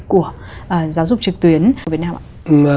của giáo dục trực tuyến việt nam ạ